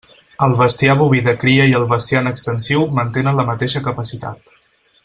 El bestiar boví de cria i el bestiar en extensiu mantenen la mateixa capacitat.